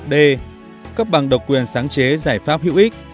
d cấp bằng độc quyền sáng chế giải pháp hữu ích